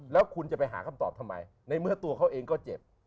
แล้วคุณจะไปหาคำตอบทำไมในเมื่อตัวเขาเองก็เจ็บ